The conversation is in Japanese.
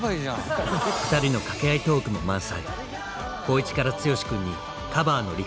ふたりの掛け合いトークも満載。